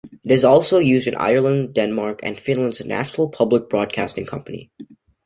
It is also used in Ireland, Denmark and Finland's national public-broadcasting company'.